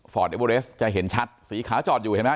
เอเวอเรสจะเห็นชัดสีขาวจอดอยู่เห็นไหม